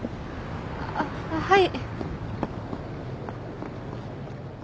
あっはい。